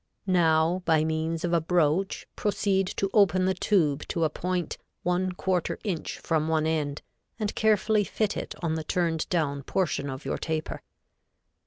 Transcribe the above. Now by means of a broach proceed to open the tube to a point one quarter inch from one end, and carefully fit it on the turned down portion of your taper.